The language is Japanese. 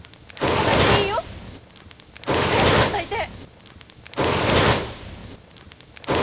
たたいていいよ！早くたたいて！